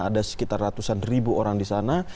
ada sekitar ratusan ribu orang di sana